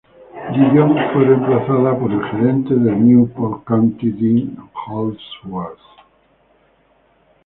Dillon fue reemplazado por el gerente del Newport County, Dean Holdsworth.